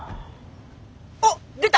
あっ出た！